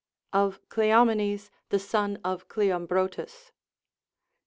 Of Cleomenes the Son of Cleomhrotus.